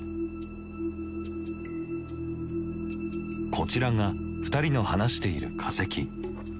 こちらが２人の話している化石。